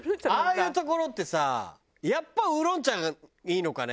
あいうところってさやっぱウーロン茶がいいのかね？